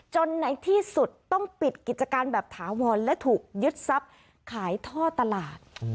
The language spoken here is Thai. ในที่สุดต้องปิดกิจการแบบถาวรและถูกยึดทรัพย์ขายท่อตลาด